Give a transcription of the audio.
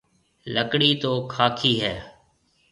لڪڙِي تو کاڪِي هيَ۔